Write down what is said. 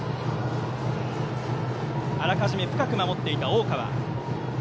あらかじめ深く守っていた大川。